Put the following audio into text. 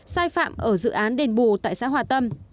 sai phạm ở dự án đền bù tại xã hòa tâm